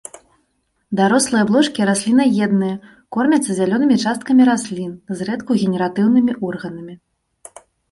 Дарослыя блошкі раслінаедныя, кормяцца зялёнымі часткамі раслін, зрэдку генератыўнымі органамі.